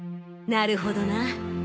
なるほどな